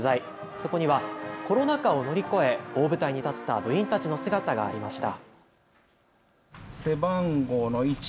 そこにはコロナ禍を乗り越え大舞台に立った部員たちの姿がありました。